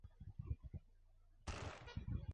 kutosha huko kutumia vifaa vilivyokuvutia mahali pa kwanza